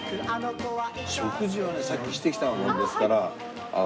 食事はねさっきしてきたもんですからあの。